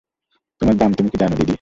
তোমার দাম তুমি কী জান দিদি!